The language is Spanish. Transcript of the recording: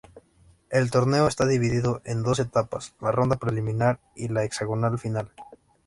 El torneo está dividido en dos etapas; la ronda preliminar y el hexagonal final.